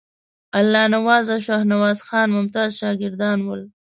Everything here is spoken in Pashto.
الله نواز او شاهنواز خان ممتاز شاګردان ول.